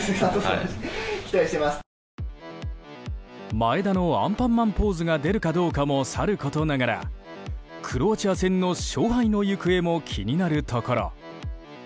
前田のアンパンマンポーズが出るかどうかもさることながらクロアチア戦の勝敗の行方も気になるところ。